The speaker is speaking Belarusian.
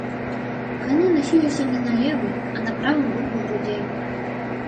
Ганны насілася не на левай, а на правым боку грудзей.